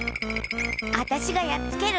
あたしがやっつける。